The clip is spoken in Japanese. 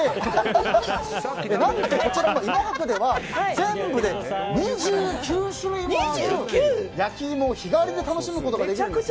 何とこちらの芋博では全部で２９種類もある焼き芋を日替わりで楽しむことができるんです。